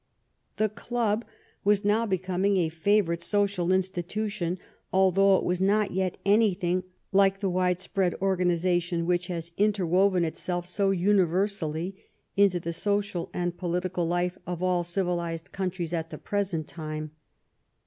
The club was now becoming a favorite social instil tution, although it was not yet anything like the wide spread organization which has interwoven itself so universally into the social and political life of all civil ized countries at the present time.